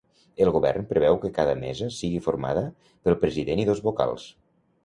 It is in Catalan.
El govern preveu que cada mesa sigui formada pel president i dos vocals.